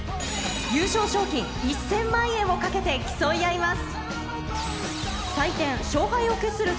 優勝賞金１０００万円をかけて競い合います。